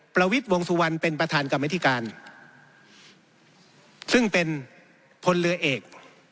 ประวิทย์วงสุวรรณเป็นประธานกรรมธิการซึ่งเป็นพลเรือเอก